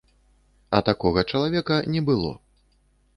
А такога чалавека не было.